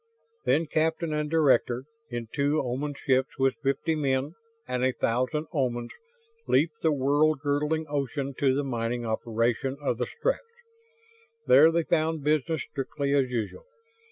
Then captain and director, in two Oman ships with fifty men and a thousand Omans, leaped the world girdling ocean to the mining operation of the Stretts. There they found business strictly as usual.